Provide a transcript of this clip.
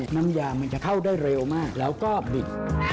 น้ำยามันจะเข้าได้เร็วมากแล้วก็บิด